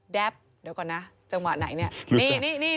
แดฟเดี๋ยวก่อนนะจังหวะไหนเนี่ยรู้จัก